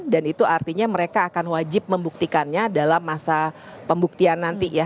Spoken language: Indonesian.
itu artinya mereka akan wajib membuktikannya dalam masa pembuktian nanti ya